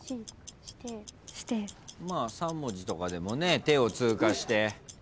まあ３文字とかでもね「て」を通過して。